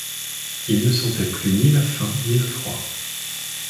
Il ne sentait plus ni la faim, ni le froid.